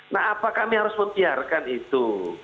nah apa kami harus membiarkan itu